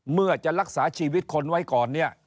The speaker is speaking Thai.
เมื่อจะรักษาชีวิตคนไว้ก่อนเนี่ย